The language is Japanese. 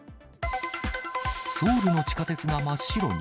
ソウルの地下鉄が真っ白に。